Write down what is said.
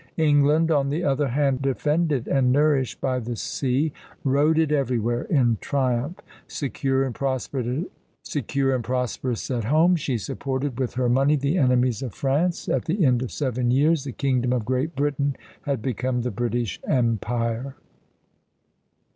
England, on the other hand, defended and nourished by the sea, rode it everywhere in triumph. Secure and prosperous at home, she supported with her money the enemies of France. At the end of seven years the kingdom of Great Britain had become the British Empire.